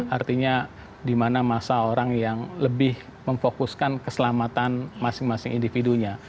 artinya di mana masa orang yang lebih memfokuskan keselamatan masing masing individunya